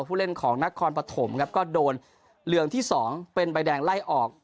ผู้เล่นของนครปฐมครับก็โดนเหลืองที่สองเป็นใบแดงไล่ออก